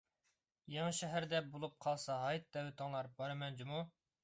يېڭىشەھەردە بولۇپ قالسا ھايت دەۋىتىڭلار، بارىمەن جۇمۇ.